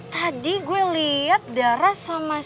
tadi gue liat dara sama si robin